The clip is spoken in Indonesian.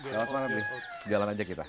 jalan ke mana brie jalan aja kita